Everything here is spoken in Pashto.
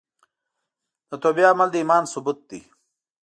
د توبې عمل د ایمان ثبوت دی.